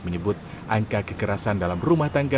menyebut angka kekerasan dalam rumah tangga